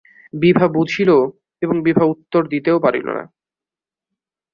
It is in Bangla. বিভা বুঝিল এবং বিভা উত্তর দিতেও পারিল না।